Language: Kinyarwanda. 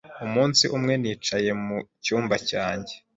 Umunsi umwe nicaye mu cyumba cyanjye